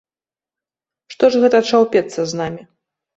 Што ж гэта чаўпецца з намі?